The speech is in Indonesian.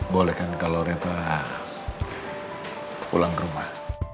boleh kan kalo reva pulang ke rumah